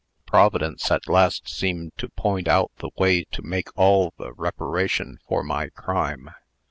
Providence at last seemed to point out the way to make all the reparation for my crime.